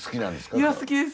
いや好きです。